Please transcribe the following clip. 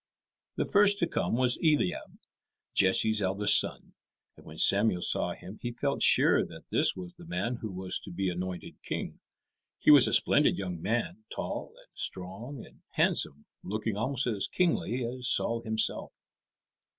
The first to come was Eliab, Jesse's eldest son, and when Samuel saw him he felt sure that this was the man who was to be anointed king. He was a splendid young man, tall and strong and handsome, looking almost as kingly as Saul himself.